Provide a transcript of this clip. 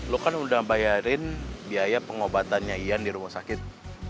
lo kan udah bayarin biaya pengobatannya ian di rumah sakit